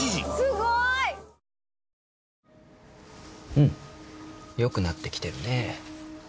うん良くなってきてるね。